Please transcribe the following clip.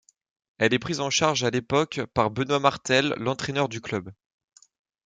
Elle est prise en charge à l’époque par Benoit Martel l’entraineur du club.